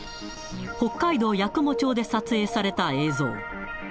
北海道八雲町で撮影された映像。